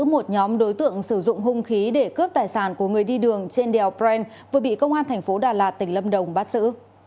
một nhóm đối tượng sử dụng hung khí để cướp tài sản của người đi đường trên đèo brent vừa bị công an thành phố đà lạt tỉnh lâm đồng bắt xử